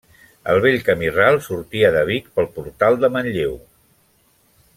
El vell camí ral sortia de Vic pel portal de Manlleu.